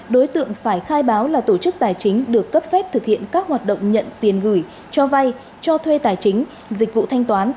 đối tượng phải khai báo là tổ chức tài chính được cấp phép thực hiện các hoạt động nhận tiền gửi cho vay cho thuê tài chính dịch vụ thanh toán